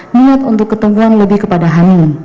niat untuk ketumbuhan lebih kepada hany